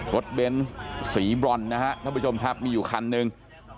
รถเบนสีบร่อนนะครับท่านผู้ชมครับมีอยู่คันนึง